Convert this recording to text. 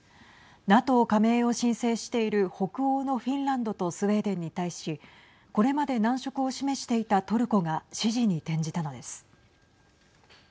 ＮＡＴＯ加盟を申請している北欧のフィンランドとスウェーデンに対しこれまで難色を示していたトルコが支持に転じたのです。